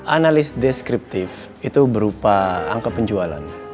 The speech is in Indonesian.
analis deskriptif itu berupa angka penjualan